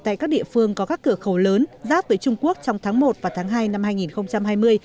tại các địa phương có các cửa khẩu lớn giáp với trung quốc trong tháng một và tháng hai năm hai nghìn hai mươi